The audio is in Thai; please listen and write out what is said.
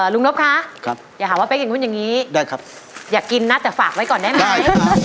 ลุงหนพค่ะอย่าห่วงว่าไป๊ปถึงพรุ่งอย่างนี้อยากกินนะแต่ฝากไว้ก่อนได้ไหม